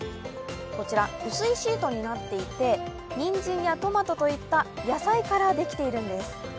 こちら、薄いシートになっていてにんじんやトマトといった野菜からできているんです。